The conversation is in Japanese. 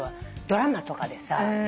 ドラマとかでさ